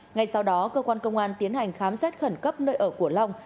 ngay sau đó cơ quan công an tiến hành khám xét khẩn cấp nơi ở của long